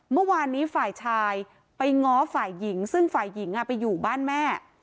เมื่อวานนี้ฝ่ายชายไปง้อฝ่ายหญิงซึ่งฝ่ายหญิงไปอยู่บ้านแม่